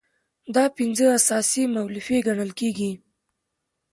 دا پنځه اساسي مولفې ګڼل کیږي.